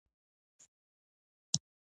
افغانستان د چرګانو له پلوه متنوع هېواد دی.